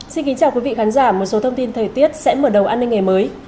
xin kính chào quý vị khán giả một số thông tin thời tiết sẽ mở đầu an ninh ngày mới